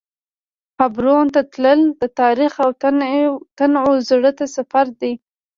حبرون ته تلل د تاریخ او تنوع زړه ته سفر دی.